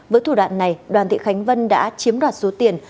với thủ đoạn này đoàn thị khánh vân đã chiếm đoạt số tiền